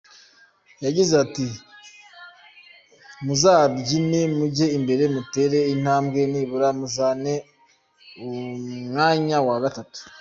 Yagize ati “ Muzabyine mujya imbere mutere intambwe nibura muzane umwanya wa gatatu.